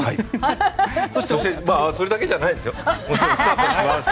それだけじゃないですよ。